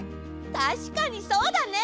たしかにそうだね！